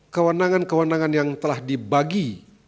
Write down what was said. kewenangan kewenangan yang telah dibagi